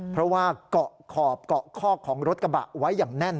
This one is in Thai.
เพราะว่าเกาะขอบเกาะคอกของรถกระบะไว้อย่างแน่น